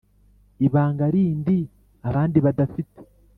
ibanga rindi abandi badafite”